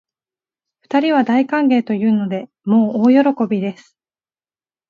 二人は大歓迎というので、もう大喜びです